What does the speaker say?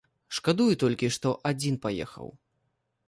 Шкадую толькі, што адзін паехаў.